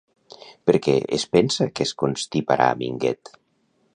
Per què es pensa que es constiparà Minguet?